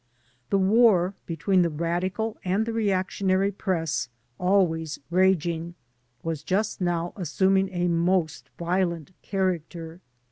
The war between the radical and the reactionary press, always raging, was just now assuming a most violent character.